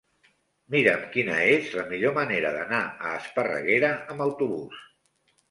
Mira'm quina és la millor manera d'anar a Esparreguera amb autobús.